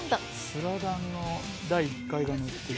「スラダン」の第１回が載ってる。